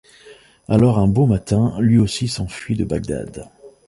Alors un beau matin, lui aussi s'enfuit de Bagdad.